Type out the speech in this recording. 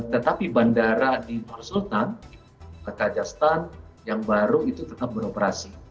tetapi bandara di nur sultan kajastan yang baru itu tetap beroperasi